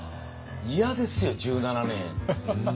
嫌ですよ１７年。